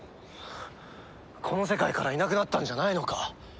この世界からいなくなったんじゃないのか？